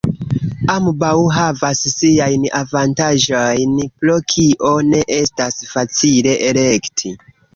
Ambaŭ havas siajn avantaĝojn, pro kio ne estas facile elekti.